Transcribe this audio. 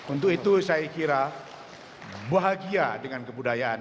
untuk itu saya kira bahagia dengan kebudayaan